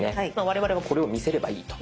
我々はこれを見せればいいと。